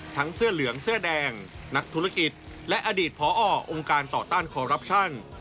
เสื้อเหลืองเสื้อแดงนักธุรกิจและอดีตพอองค์การต่อต้านคอรัปชั่น